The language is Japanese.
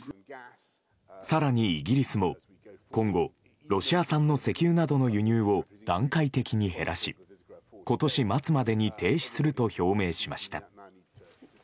更に、イギリスも今後ロシア産の石油などの輸入を段階的に減らし今年末までに停止すると表明しました。